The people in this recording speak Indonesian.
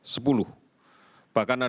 sejumlah kisah yang dikirimkan